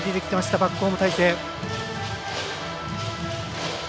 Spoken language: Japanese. バックホーム態勢。